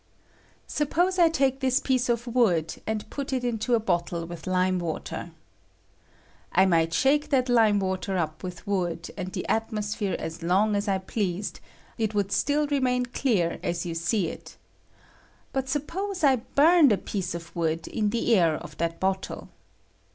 Suppose I take this piece of wood, and put it into a bottle with lime water. I might shaiie that lime water up with wood and the atmos phere as long as I pleased, it would still remain clear as you see it; but suppose I bum the piece of wood in the air of that bottle.